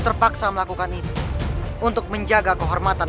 sekarang kau tidak punya pilihan lain